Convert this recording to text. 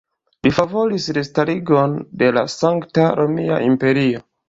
Li favoris restarigon de la Sankta Romia Imperio.